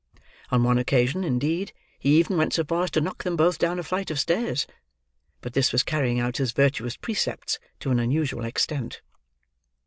On one occasion, indeed, he even went so far as to knock them both down a flight of stairs; but this was carrying out his virtuous precepts to an unusual extent.